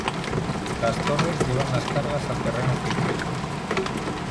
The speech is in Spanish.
Las torres llevan las cargas al terreno firme.